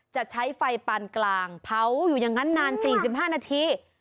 จะใช้ไฟปานกลางเผาอยู่อย่างนั้นนาน๔๕นาที